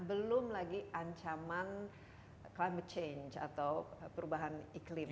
belum lagi ancaman climate change atau perubahan iklim